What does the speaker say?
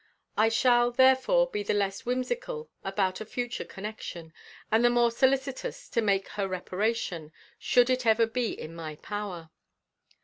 I shall, therefore, be the less whimsical about a future connection, and the more solicitous to make her reparation, should it ever be in my power.